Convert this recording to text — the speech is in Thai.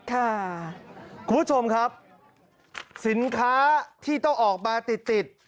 คุณผู้ชมครับสินค้าที่ต้องออกมาติดติด